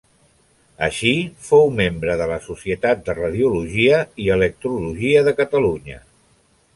Així, fou membre de la Societat de Radiologia i Electrologia de Catalunya.